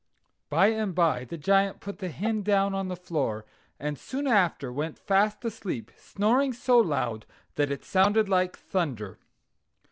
By and by the Giant put the hen down on the floor, and soon after went fast asleep, snoring so loud that it sounded like thunder.